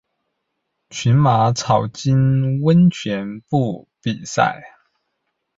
群马草津温泉部比赛。